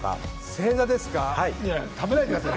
星座ですか？